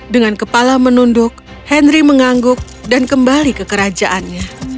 dengan kepala menunduk henry mengangguk dan kembali ke kerajaannya